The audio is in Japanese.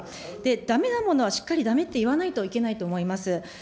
だめなものはしっかりだめって言わないといけないと思います。